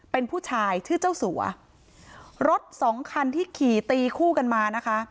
เป็นผู้ชายชื่อเจ้าสัวรถสองคันที่ขี่ตีคู่กันมานะคะ